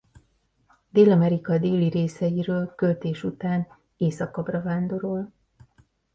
Dél-Amerika déli részeiről költés után északabbra vándorol.